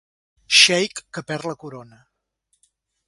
Xeic que perd la corona.